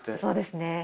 そうですね。